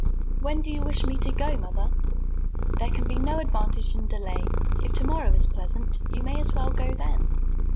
"When do you wish me to go, mother?" "There can be no advantage in delay. If tomorrow is pleasant, you may as well go then."